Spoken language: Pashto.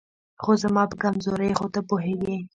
خو زما په کمزورۍ خو ته پوهېږې